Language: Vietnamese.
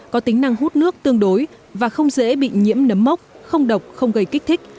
có tính năng hút nước tương đối và không dễ bị nhiễm nấm mốc không độc không gây kích thích